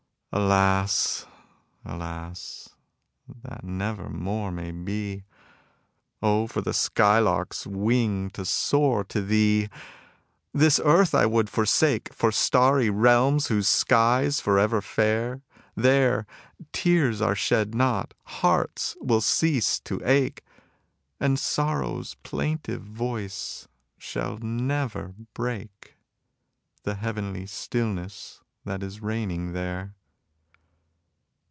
Alas, alas! that never more may be. Oh, for the sky lark's wing to soar to thee! This earth I would forsake For starry realms whose sky's forever fair; There, tears are shed not, hearts will cease to ache, And sorrow's plaintive voice shall never break The heavenly stillness that is reigning there.